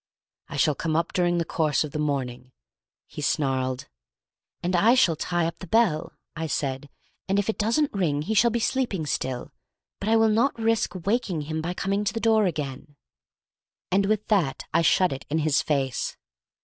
"I shall come up during the course of the morning," he snarled. "And I shall tie up the bell," I said, "and if it doesn't ring he'll be sleeping still, but I will not risk waking him by coming to the door again." And with that I shut it in his face.